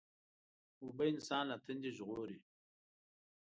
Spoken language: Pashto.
اوبه انسان له تندې ژغوري.